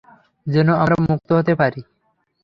যেন আমরা মুক্ত হতে পারি।